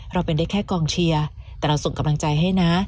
เราเป็นได้แค่กองเชียร์แต่เราส่งกำลังใจให้นะ